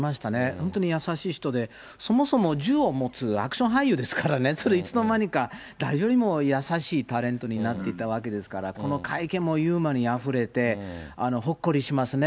本当に優しい人で、そもそも銃を持つアクション俳優ですからね、それ、いつの間にか、誰よりも優しいタレントになっていたわけですから、この会見もユーモアにあふれて、ほっこりしますね。